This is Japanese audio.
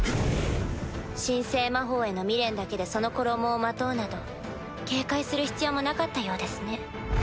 神聖魔法への未練だけでその衣をまとうなど警戒する必要もなかったようですね。